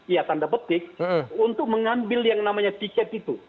ya tanda petik untuk mengambil yang namanya tiket itu